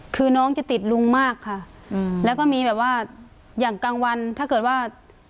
คือน้องจะติดลุงมากค่ะอืมแล้วก็มีแบบว่าอย่างกลางวันถ้าเกิดว่า